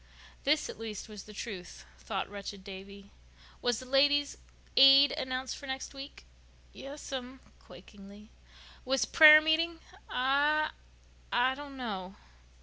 This, at least, was the truth, thought wretched Davy. "Was the Ladies' Aid announced for next week?" "Yes'm"—quakingly. "Was prayer meeting?" "I—I don't know."